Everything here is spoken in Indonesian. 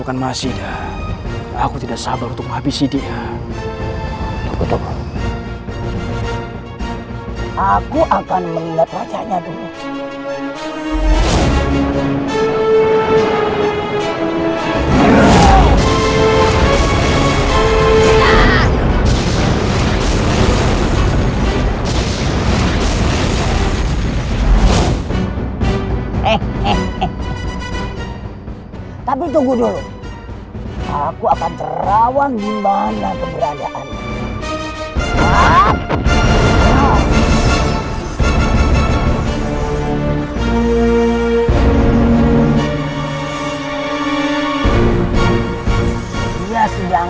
yang tersisa pasti akan baik baik saja